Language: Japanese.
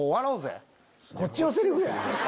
こっちのセリフや！